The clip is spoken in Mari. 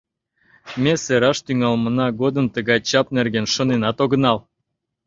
«Ме сераш тӱҥалмына годым тыгай чап нерген шоненат огынал.